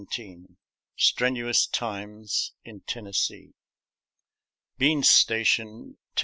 XVII STRENUOUS TIMES IN TENNESSEE Bean's Station, Tbnn.